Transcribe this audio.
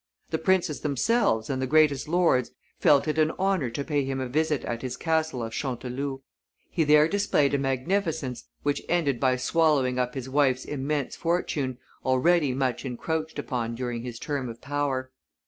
The princes themselves and the greatest lords felt it an honor to pay him a visit at his castle of Chanteloup. He there displayed a magnificence which ended by swallowing up his wife's immense fortune, already much encroached upon during his term of power.